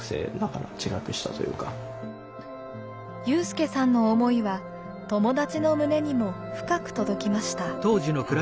有さんの思いは友達の胸にも深く届きました。